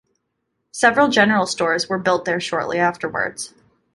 Several general stores were built there shortly afterwards.